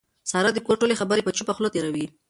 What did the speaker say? ساره د کور ټولې خبرې په چوپه خوله تېروي.